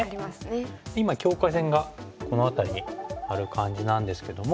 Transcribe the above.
今境界線がこの辺りにある感じなんですけども。